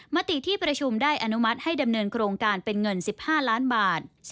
มติที่ประชุมได้อนุมัติให้ดำเนินโครงการเป็นเงิน๑๕ล้านบาท